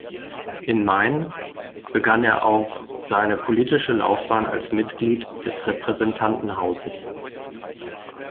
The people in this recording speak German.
In Maine begann er auch seine politische Laufbahn als Mitglied des Repräsentantenhauses.